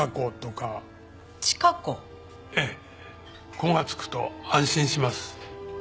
「子」がつくと安心します。